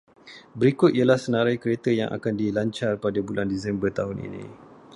Berikut ialah senarai kereta yang akan dilancar pada bulan Disember tahun ini.